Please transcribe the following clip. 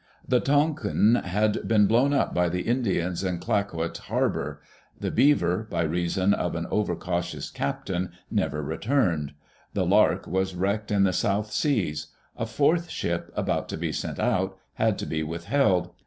The Tonquin had been blown up by the Indians in Clayoquot har bor; the Beaver, by reason of an over cautious captain, never re turned; the Lark was wrecked in the South Seas; a fourth ship, about to be sent out, had to be withheld.